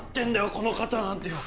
この肩なんてよ！